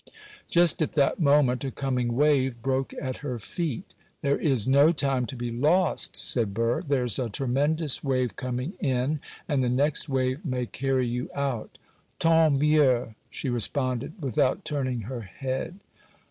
Just at that moment a coming wave broke at her feet. 'There is no time to be lost,' said Burr; 'there's a tremendous wave coming in, and the next wave may carry you out.' 'Tant mieux,' she responded, without turning her head.